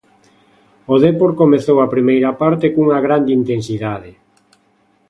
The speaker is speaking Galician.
O Depor comezou a primeira parte cunha grande intensidade.